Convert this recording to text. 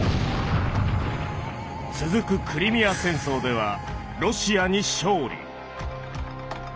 続くクリミア戦争ではロシアに勝利。